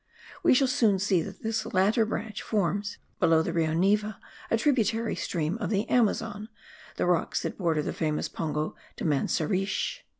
We shall soon see that this latter branch forms, below the Rio Neva a tributary stream of the Amazon, the rocks that border the famous Pongo de Manseriche.